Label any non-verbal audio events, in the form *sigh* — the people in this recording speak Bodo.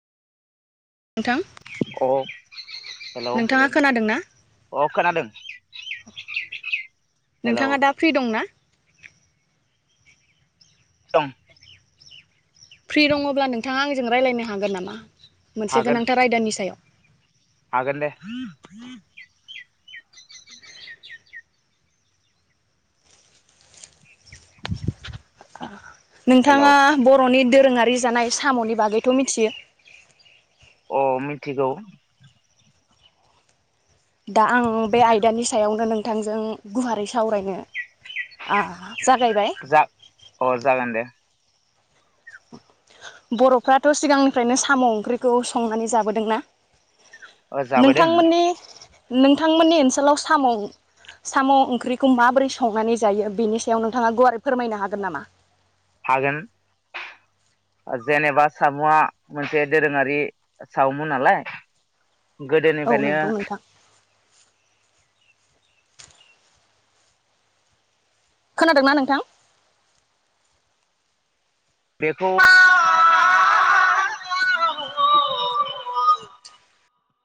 नोंथां अ हेलौ! नोंथाङा खोनादों ना अ खोनादों। हेलौ नोंथाङा दा फ्रि दंना? दं। फ्रि दङ'ब्ला नोंथाङा आंजों रायज्लायनो हागोन नामा? मोनसे हागोन गोनांथार आयदानि सायाव। हागोन दे। *inaudible* *inaudible* ओ हेलौ नोंथाङा बर'नि दोरोङारि जानाय साम'नि बागैथ' मिथियो? अ मिथिगौ। दा आं बे आयदानि सायावनो नोंथांजों गुवारै सावरायनो आ जागायबाय। जा अ जागोन दे। बर'फ्राथ' सिगांनिफ्रायनो साम' ओंख्रिखौ संनानै जाबोदोंना? अ जाबोदों नोंथांमोननि नोंथांमोननि ओनसोलाव साम' साम' ओंख्रिखौ माबोरै संनानै जायो बेनि सायाव नोंथाङा गुवारै फोरमायनो हागोन नामा? हागोन जेनेबा सामुआ मोनसे दोरोङारि सावमु नालाय औ गोदोनिफ्रायनो नंगौ नोंथां खोनादों ना नोंथां? बेखौ *inaudible*